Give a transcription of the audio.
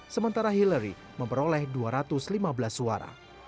sementara hillary memperoleh dua ratus lima belas suara